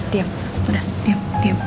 diam udah diam